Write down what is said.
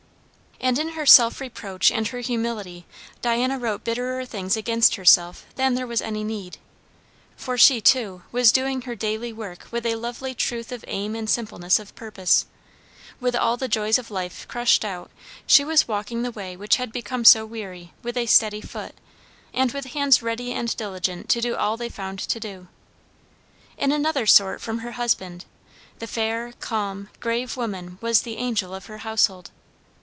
And in her self reproach and her humility, Diana wrote bitterer things against herself than there was any need. For she, too, was doing her daily work with a lovely truth of aim and simpleness of purpose. With all the joys of life crushed out, she was walking the way which had become so weary with a steady foot, and with hands ready and diligent to do all they found to do. In another sort from her husband, the fair, calm, grave woman was the angel of her household.